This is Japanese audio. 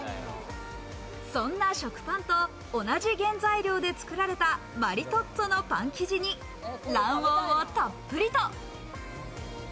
そんな食パンと同じ原材料で作られたマリトッツォのパン生地に卵黄をたっぷりと。